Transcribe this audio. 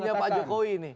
ini yang pak jokowi ini